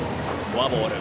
フォアボール。